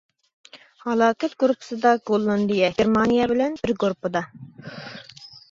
ھالاكەت گۇرۇپپىسىدا گوللاندىيە، گېرمانىيە بىلەن بىر گۇرۇپپىدا.